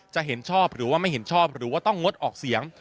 จะเห็นชอบหรือว่าไม่เห็นชอบหรือว่าต้องงดออกเสียง